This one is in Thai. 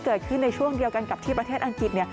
เกิดขึ้นในช่วงเดียวกันกับที่ประเทศอังกฤษ